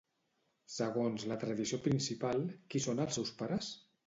Segons la tradició principal, qui són els seus pares?